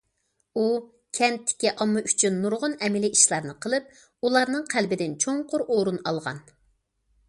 ئۇ كەنتتىكى ئامما ئۈچۈن نۇرغۇن ئەمەلىي ئىشلارنى قىلىپ، ئۇلارنىڭ قەلبىدىن چوڭقۇر ئورۇن ئالغان.